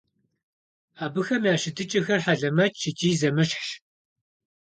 Абыхэм я щытыкӀэхэр хьэлэмэтщ икӀи зэмыщхьщ.